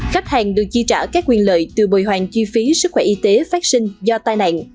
khách hàng được chi trả các quyền lợi từ bồi hoàn chi phí sức khỏe y tế phát sinh do tai nạn